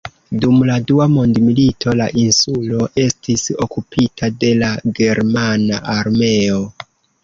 Dum la Dua mondmilito la insulo estis okupita de la germana armeo.